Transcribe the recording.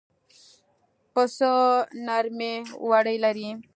پسه نرمې وړۍ لري.